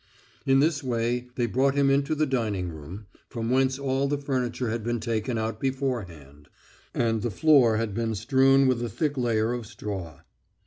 In this way they brought him into the dining room, from whence all the furniture had been taken out beforehand, and the floor had been strewn with a thick layer of straw....